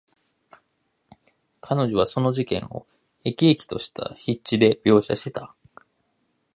彼女はその事件を、生き生きとした筆致で描写した。